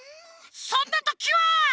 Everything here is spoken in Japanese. そんなときは！